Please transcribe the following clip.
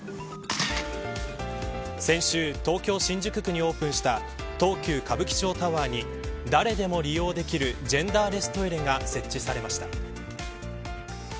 先週、東京新宿区にオープンした東急歌舞伎町タワーに誰でも利用できるジェンダーレストイレが設置されました。